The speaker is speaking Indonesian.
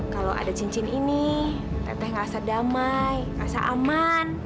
kalo ada cincin ini teteh ngerasa damai ngerasa aman